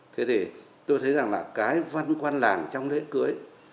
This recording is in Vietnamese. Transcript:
thế thì tôi thấy rằng là cái văn quan làng trong lễ cưới